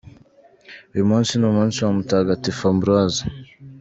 Uyu munsi ni umunsi wa Mutagatifu Ambrose.